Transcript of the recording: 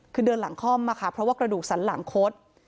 คือเดินหลังคล่อมค่ะเพราะว่ากระดูกสันหลังคด